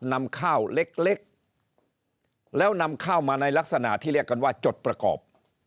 นำข้าวเล็กแล้วนำข้าวมาในลักษณะที่เรียกกันว่าจดประกอบ